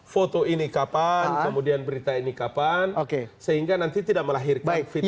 foto ini kapan kemudian berita ini kapan sehingga nanti tidak melahirkan fitnah